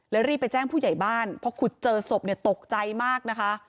แล้วรีบไปแจ้งผู้ใหญ่บ้านเพราะขุดเจอศพตกใจมากนะคะ